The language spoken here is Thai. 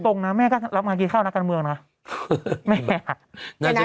ตรงนะแม่ก็รับงานกินข้าวนักการบืองนะแม่ค่ะน่าจะ